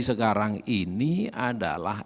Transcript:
sekarang ini adalah